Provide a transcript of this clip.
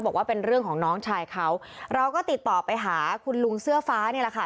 บอกว่าเป็นเรื่องของน้องชายเขาเราก็ติดต่อไปหาคุณลุงเสื้อฟ้านี่แหละค่ะ